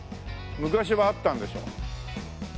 昔はあったんでしょ。